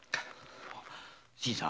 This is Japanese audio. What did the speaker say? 新さん。